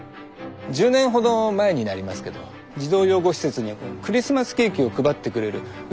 １０年ほど前になりますけど児童養護施設にクリスマスケーキを配ってくれるヒーローがいたんですよ。